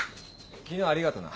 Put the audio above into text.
昨日ありがとな。